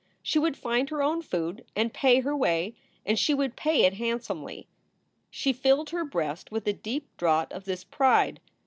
She would find her own food and pay her way, and she would pay it handsomely. She filled her breast with a deep draught of this pride.